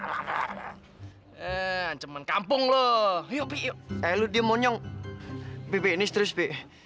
eh ancaman kampung lo yuk pih yuk eh lu diam monyong pih pih ini seterus pih